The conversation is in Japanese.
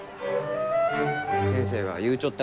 先生が言うちょっ